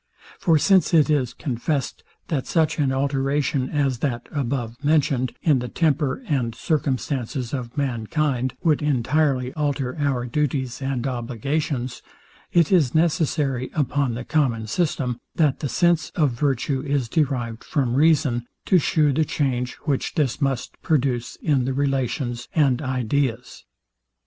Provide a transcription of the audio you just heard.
For since it is confest, that such an alteration as that above mentioned, in the temper and circumstances of mankind, would entirely alter our duties and obligations, it is necessary upon the common system, that the sense of virtue is derived from reason, to shew the change which this must produce in the relations and ideas.